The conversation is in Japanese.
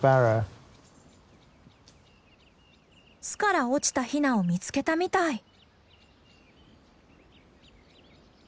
巣から落ちたヒナを見つけたみたい。